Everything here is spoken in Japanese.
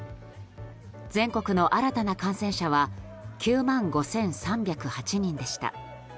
全国の新たな感染者は９万５３０８人でした。